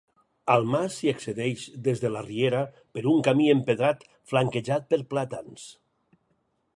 Al mas s'hi accedeix, des de la riera, per un camí empedrat, flanquejat per plàtans.